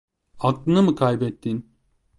Aklını mı kaybettin?